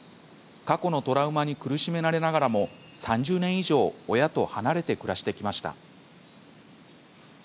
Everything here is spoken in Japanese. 過去のトラウマに苦しめられながらも、３０年以上親と離れて暮らしてきました。